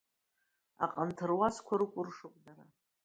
Аҟанҭаруазқәа рыкәыршоуп дара.